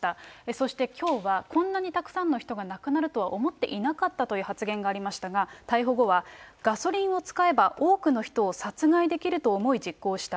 そしてきょうは、こんなにたくさんの人が亡くなるとは思っていなかったという発言がありましたが、逮捕後はガソリンを使えば、多くの人を殺害できると思い実行した。